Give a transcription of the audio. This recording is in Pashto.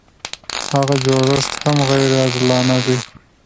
هغه جوړښت هم غیر عادلانه دی.